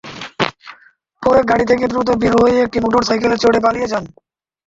পরে গাড়ি থেকে দ্রুত বের হয়ে একটি মোটরসাইকেলে চড়ে পালিয়ে যান।